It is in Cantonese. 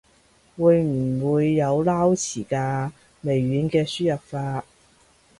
會唔會有撈詞㗎？微軟嘅輸入法